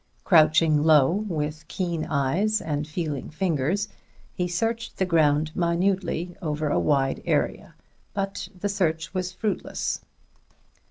Crouching low, with keen eyes and feeling fingers, he searched the ground minutely over a wide area; but the search was fruitless.